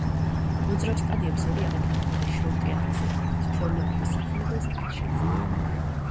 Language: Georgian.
მოძრავ სტადიებს ორი არათანაბარი შოლტი ახასიათებთ, ჩვეულებრივ, სახამებელს არ შეიცავენ.